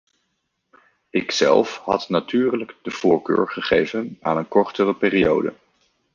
Ikzelf had natuurlijk de voorkeur gegeven aan een kortere periode.